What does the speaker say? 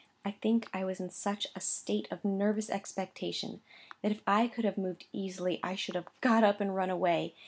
I think I was in such a state of nervous expectation, that if I could have moved easily, I should have got up and run away.